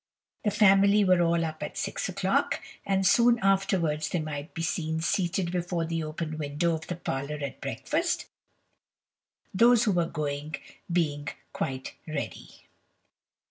The family were all up at six o'clock, and soon afterwards they might be seen seated before the open window of the parlour at breakfast, those who were going being quite ready.